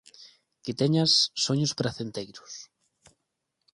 Que teñas soños pracenteiros.